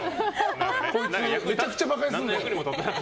こいつ、めちゃくちゃバカにするのよ。